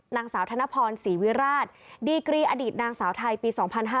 นางสาวธนพรศรีวิราชดีกรีอดีตนางสาวไทยปี๒๕๕๙